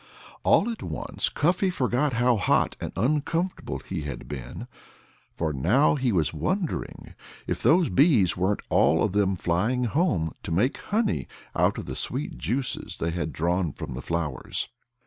All at once Cuffy forgot how hot and uncomfortable he had been; for now he was wondering if those bees weren't all of them flying home to make honey out of the sweet juices they had drawn from the flowers.